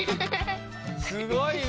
すごいね。